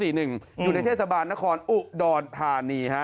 อยู่ในเทศบาลนครอุดรธานี